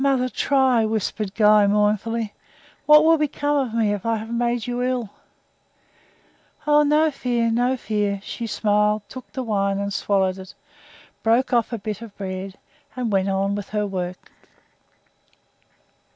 "Mother, try," whispered Guy, mournfully. "What will become of me if I have made you ill?" "Oh, no fear, no fear!" She smiled, took the wine and swallowed it broke off a bit of the bread, and went on with her work.